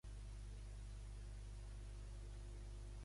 Tothom a EUiA ha elogiat la figura de Nuet al consell extraordinari